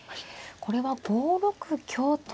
これは５六香と。